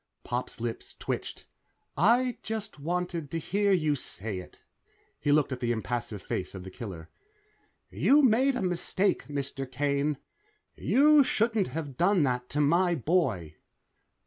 Pop's lips twitched. "I just wanted to hear you say it." He looked at the impassive face of the killer. "You made a mistake, Mr. Kane. You shouldn't have done that to my boy."